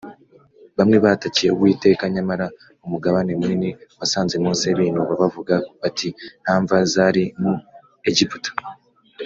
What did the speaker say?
bamwe batakiye uwiteka nyamara umugabane munini wasanze mose binuba bavuga bati: “nta mva zari mu egiputa,